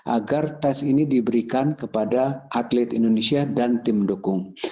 agar tes ini diberikan kepada atlet indonesia dan tim dukung